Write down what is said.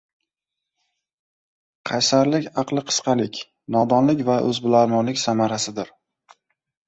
Qaysarlik aqli qisqalik, nodonlik va o‘zbilarmonlik samarasidir.